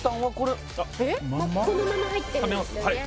このまま入ってるんですよね